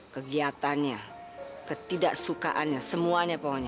kegiatannya ketidaksukaannya semuanya pokoknya